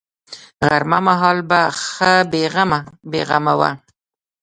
غرمه مهال به ښه بې غمه بې غمه وه.